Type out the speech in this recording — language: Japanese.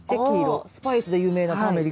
ああスパイスで有名なターメリック。